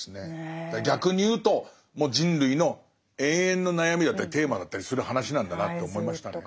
逆に言うともう人類の永遠の悩みだったりテーマだったりする話なんだなと思いましたね。